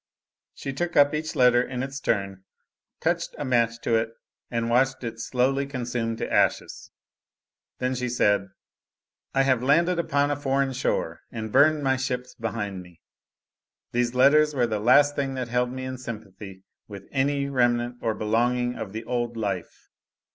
She took up each letter in its turn, touched a match to it and watched it slowly consume to ashes. Then she said: "I have landed upon a foreign shore, and burned my ships behind me. These letters were the last thing that held me in sympathy with any remnant or belonging of the old life.